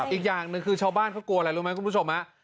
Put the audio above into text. อีกอย่างหนึ่งคือชาวบ้านเขากลัวอะไรรู้ไหมคุณผู้ชมฮะ